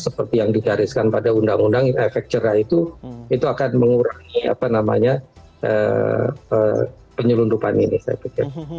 seperti yang digariskan pada undang undang efek cerah itu akan mengurangi penyelundupan ini saya pikir